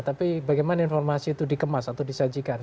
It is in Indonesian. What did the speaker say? tapi bagaimana informasi itu dikemas atau disajikan